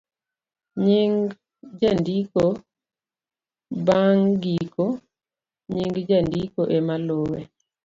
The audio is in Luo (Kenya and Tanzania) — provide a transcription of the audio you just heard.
nying' jandiko.bang' giko ,nying' jandiko ema luwe